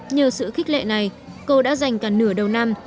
nhờ sự khích lệ này cô đã dành cả nửa đầu năm